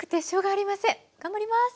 頑張ります！